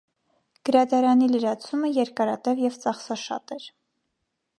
Գրադարանի լրացումը երկարատև և ծախսաշատ էր։